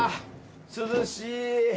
涼しい。